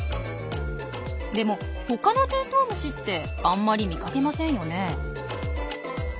でも他のテントウムシってあんまり見かけませんよね。